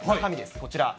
こちら。